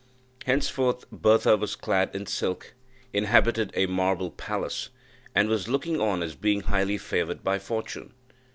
Henceforth Bertha was clad in silk inhabited a marble palace and was looked on as being highly favoured by fortune.